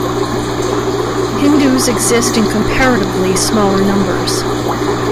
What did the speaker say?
Hindus exist in comparatively smaller numbers.